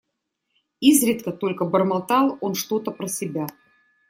Изредка только бормотал он что-то про себя.